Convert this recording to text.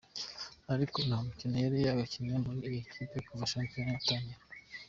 Ariko nta mukino yari yagakinnye muri iyo kipe kuva shampiyona yatangira.